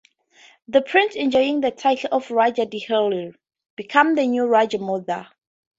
The prince enjoying the title of Raja di-Hilir, becomes the new Raja Muda.